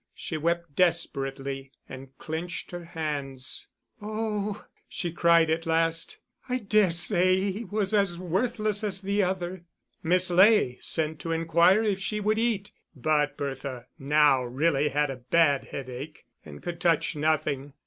She wept desperately, and clenched her hands. "Oh," she cried at last, "I dare say he was as worthless as the other." Miss Ley sent to inquire if she would eat, but Bertha now really had a bad headache, and could touch nothing.